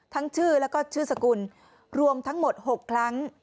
ทั้งชื่อและชื่อสกุลรวมทั้งหมด๖ครั้ง